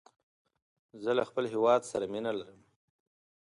زه له خپل هیواد سره مینه لرم.